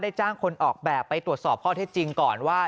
จ้างคนออกแบบไปตรวจสอบข้อเท็จจริงก่อนว่า